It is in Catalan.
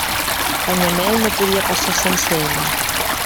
Canyamel no podia passar sense ella.